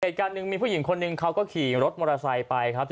เหตุการณ์หนึ่งมีผู้หญิงคนหนึ่งเขาก็ขี่รถมอเตอร์ไซค์ไปครับ